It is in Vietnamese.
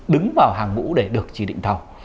đứng vào hàng ngũ để được trì định thầu